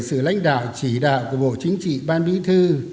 sự lãnh đạo chỉ đạo của bộ chính trị ban bí thư